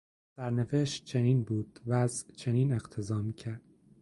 سرنوشت چنین بود، وضع چنین اقتضا میکرد.